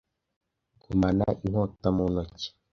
gumana inkota mu ntoki